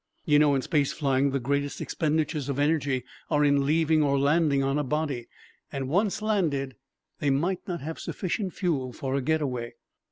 You know, in space flying, the greatest expenditures of energy are in leaving or landing on a body and, once landed, they might not have sufficient fuel for a getaway.